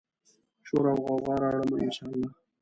شوراوغوغا راوړمه، ان شا الله